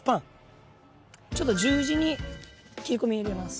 ちょっと十字に切り込み入れます。